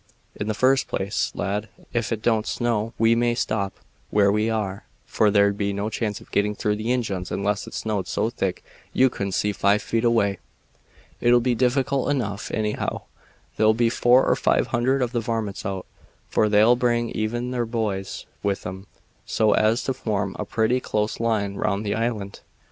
"In the first place, lad, ef it don't snow we may stop where we are, for there'd be no chance of getting through the Injuns unless it snowed so thick you couldn't see five feet away. It'll be difficult enough, anyhow. There'll be four or five hundred of the varmints out, for they'll bring even their boys with 'em, so as to form a pretty close line round the island.